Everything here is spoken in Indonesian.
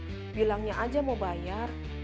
terus bilangnya aja mau bayar